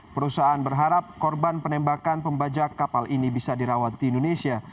perusahaan berharap korban penembakan pembajak kapal ini bisa dirawat di indonesia